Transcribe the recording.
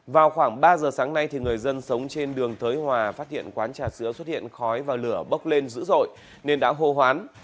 vào khoảng ba giờ sáng nay người dân sống trên đường thới hòa phát hiện quán trà sữa xuất hiện khói và lửa bốc lên dữ dội nên đã hô hoán